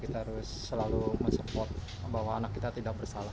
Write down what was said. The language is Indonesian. kita harus selalu mensupport bahwa anak kita tidak bersalah